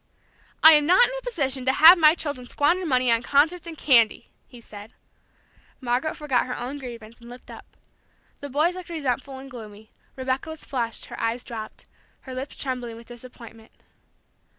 "I am not in a position to have my children squander money on concerts and candy," he said. Margaret forgot her own grievance, and looked up. The boys looked resentful and gloomy; Rebecca was flushed, her eyes dropped, her lips trembling with disappointment.